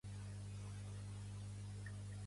Pertany al moviment independentista l'Home?